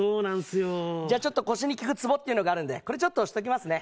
じゃあちょっと腰に効くツボってのがあるんでこれちょっと押しておきますね。